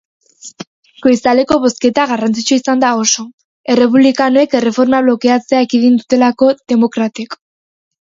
Goizaldeko bozketa garrantzitsua izan da oso, errepublikanoek erreforma blokeatzea ekidin dutelako demokratek.